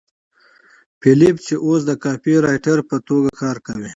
فیلیپ چې اوس د کاپيرایټر په توګه کار کوي